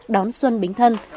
đón xuân bính thân